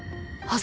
あ！